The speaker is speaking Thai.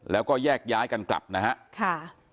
แล้วก็แยกย้ายกันกลับนะฮะค่ะ